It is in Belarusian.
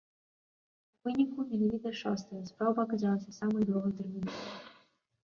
У выніку менавіта шостая спроба аказалася самай доўгатэрміновай.